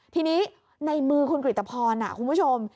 ทีนี้ในมือคุณกริตภรคุณผู้ชม